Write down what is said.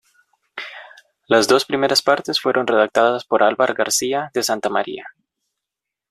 Las dos primeras partes fueron redactadas por Álvar García de Santa María.